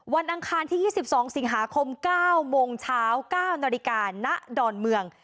อังคารที่๒๒สิงหาคม๙โมงเช้า๙นาฬิกาณดอนเมือง